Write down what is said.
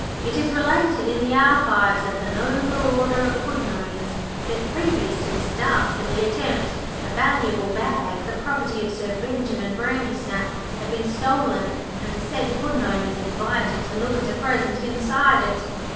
It is related in the archives of the Noble Order of Puddin' owners that previous to this dastardly attempt a valuable bag, the property of Sir Benjimen Brandysnap, had been stolen and the said Puddin' owners invited to look at a present inside it.